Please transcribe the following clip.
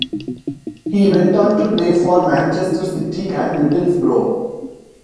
He went on to play for Manchester City and Middlesbrough.